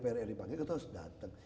kalau dprd dipanggil terus datang